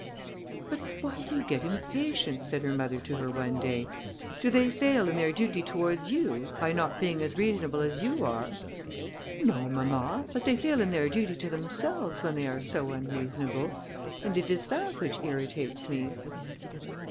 "But why do you get impatient?" said her mother to her one day; "do they fail in their duty towards you, by not being as reasonable as you are?" "No, mamma, but they fail in their duty to themselves, when they are so unreasonable, and it is that which irritates me."